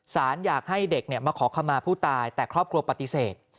อยากให้เด็กมาขอคำมาผู้ตายแต่ครอบครัวปฏิเสธ